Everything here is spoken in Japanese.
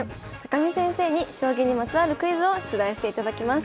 見先生に将棋にまつわるクイズを出題していただきます。